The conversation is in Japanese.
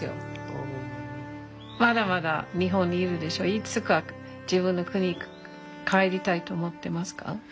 いつか自分の国に帰りたいと思ってますか？